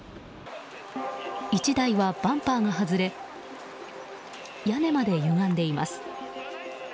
１台はバンパーが外れ屋根までゆがんでいます。